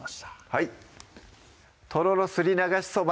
はい「とろろすり流しそば」